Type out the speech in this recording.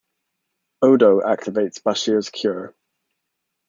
Odo activates Bashir's cure.